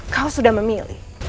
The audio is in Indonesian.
kau sudah memilih